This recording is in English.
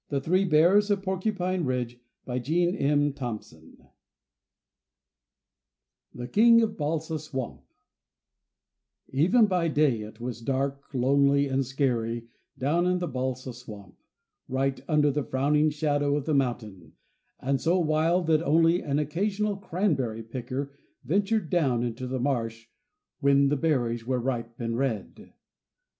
[Illustration: THE KING OF BALSAM SWAMP] XIX THE KING OF BALSAM SWAMP Even by day it was dark, lonely, and scary down in the Balsam Swamp, right under the frowning shadow of the mountain, and so wild that only an occasional cranberry picker ventured down into the marsh when the berries were ripe and red.